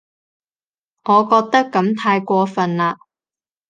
我覺得噉太過份喇